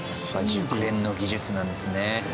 熟練の技術なんですね。